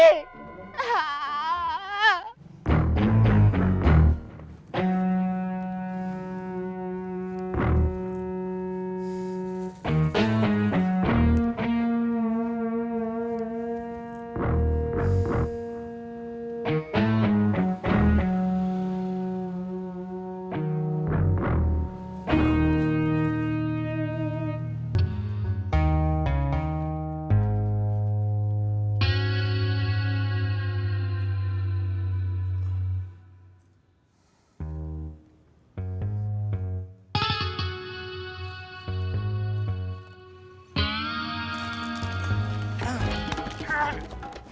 pak ji pak ji